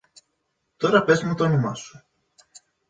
Τώρα πες μου τ' όνομα σου.